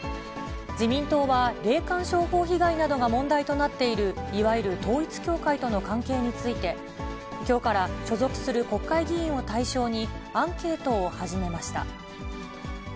自民党は、霊感商法被害などが問題となっている、いわゆる統一教会との関係について、きょうから所属する国会議員を対象にアンケートを始めました。